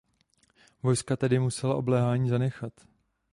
Vojska tedy musela obléhání zanechat.